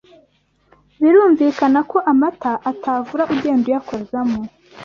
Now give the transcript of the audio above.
birumvikana ko amata atavura ugenda uyakozamo